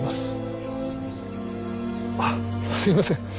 あっすいません